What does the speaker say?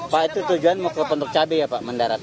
pak itu tujuan pondok cabe ya pak mendarat